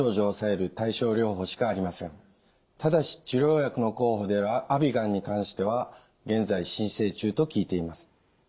現在はただし治療薬の候補であるアビガンに関しては現在申請中と聞いています。